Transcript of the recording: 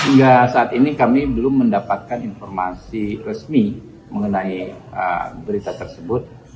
hingga saat ini kami belum mendapatkan informasi resmi mengenai berita tersebut